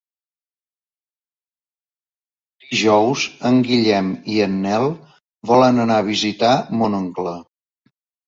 Dijous en Guillem i en Nel volen anar a visitar mon oncle.